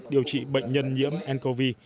điều trị bệnh nhân nhiễm ncov